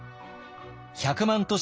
１００万都市